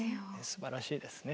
すばらしいですね。